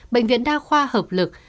bệnh viện đa khoa hợp lực